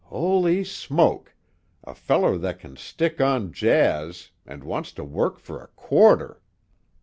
Holy smoke! A feller that can stick on Jazz, and wants to work for a quarter!"